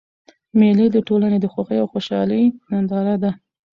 مېلې د ټولني د خوښیو او خوشحالۍ ننداره ده.